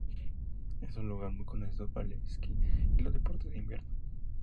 Es un lugar muy conocido para el esquí y los deportes de invierno.